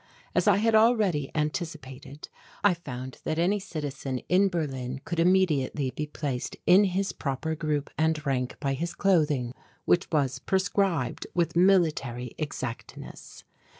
As I had already anticipated, I found that any citizen in Berlin could immediately be placed in his proper group and rank by his clothing, which was prescribed with military exactness.